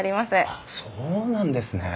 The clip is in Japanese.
あっそうなんですね。